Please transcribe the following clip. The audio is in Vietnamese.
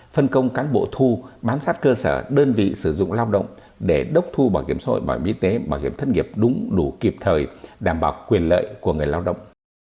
phân công cán bộ thu bám sát cơ sở đơn vị sử dụng lao động để đốc thu bảo hiểm xã hội bảo hiểm y tế bảo hiểm thất nghiệp đúng đủ kịp thời đảm bảo quyền lợi của người lao động